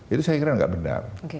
itu saya kira nggak benar